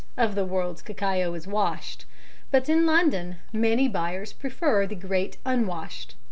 of the world's cacao is washed, but in London many buyers prefer "the great unwashed."